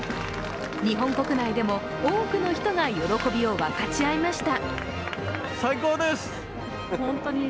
日本国内でも多くの人が喜びを分かち合いました。